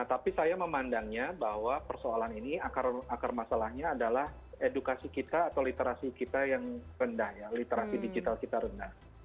tapi saya memandangnya bahwa persoalan ini akar masalahnya adalah edukasi kita atau literasi kita yang rendah ya literasi digital kita rendah